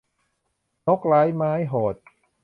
นกไร้ไม้โหด